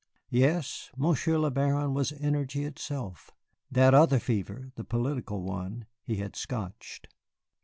Yes, Monsieur le Baron was energy itself. That other fever the political one he had scotched.